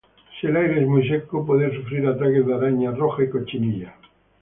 Si el aire es muy seco, puede sufrir ataques de araña roja y cochinilla.